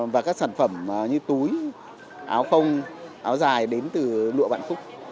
và các sản phẩm như túi áo không áo dài đến từ lụa vạn phúc